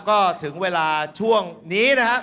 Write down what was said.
ก็ถึงเวลาช่วงนี้นะครับ